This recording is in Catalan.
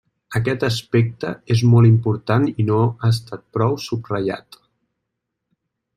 Aquest aspecte és molt important i no ha estat prou subratllat.